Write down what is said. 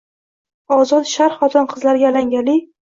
— Ozod Sharq xotin-qizlariga alangali